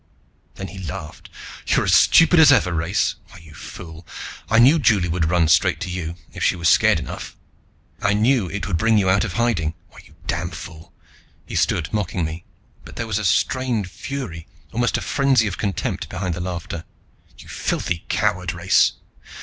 Then he laughed. "You're as stupid as ever, Race. Why, you fool, I knew Juli would run straight to you, if she was scared enough. I knew it would bring you out of hiding. Why, you damned fool!" He stood mocking me, but there was a strained fury, almost a frenzy of contempt behind the laughter. "You filthy coward, Race!